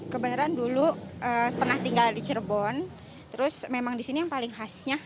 kebenaran dulu pernah tinggal di cirebon terus memang di sini yang paling khasnya